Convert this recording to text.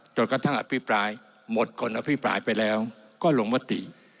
กระทั่งอภิปรายหมดคนอภิปรายไปแล้วก็ลงมติ